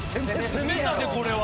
攻めたでこれは。